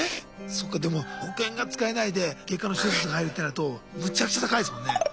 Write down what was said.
そうかでも保険が使えないで外科の手術が入るってなるとむちゃくちゃ高いですもんね。